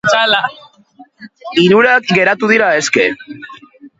Hirurak geratu dira aske.